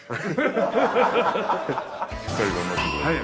はい。